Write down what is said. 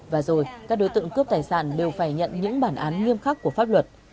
và rồi các đối tượng cướp tài sản đều phải nhận những bản án nghiêm khắc của pháp luật